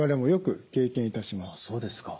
そうですか。